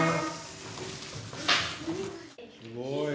すごーい。